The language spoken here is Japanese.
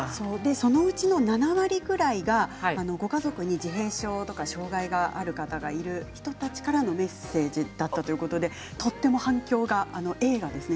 その７割ぐらいがご家族に自閉症とか障がいがある人たちからのメッセージだったということでとても反響が、映画ですね